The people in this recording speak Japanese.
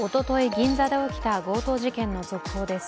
銀座で起きた強盗事件の続報です。